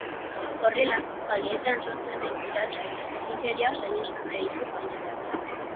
Horrela, kaleetan sortzen den kiratsa eta zikinkeria saihestu nahi ditu jaietan.